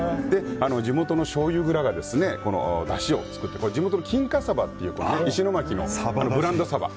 地元のしょうゆ蔵がだしを作って地元の金華サバという石巻のブランドサバ。